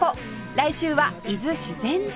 来週は伊豆修善寺